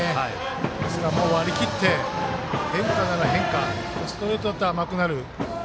ですから、割り切って変化なら変化ストレートだったら甘くなる。